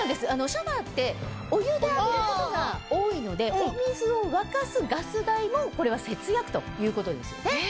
シャワーってお湯で浴びることが多いのでお水を沸かすガス代もこれは節約ということですよね。